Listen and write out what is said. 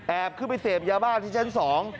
ขึ้นไปเสพยาบ้าที่ชั้น๒